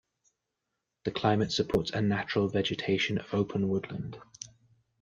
The climate supports a natural vegetation of open woodland.